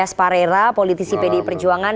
dan mas parera politisi pdi perjuangan